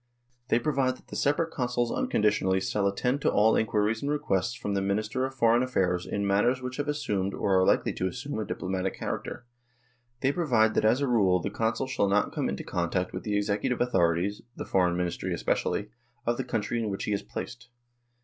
They provide that the separate Consuls un conditionally shall attend to all inquiries and requests from the Minister of Foreign Affairs in matters which have assumed or are likely to assume a diplomatic character ; they provide that as a rule a Consul shall not come into contact with the executive authorities the Foreign Ministry especially of the country in which he is placed.